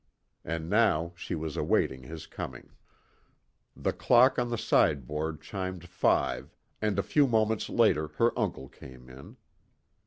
And now she was awaiting his coming. The clock on the sideboard chimed five, and a few moments later her uncle came in.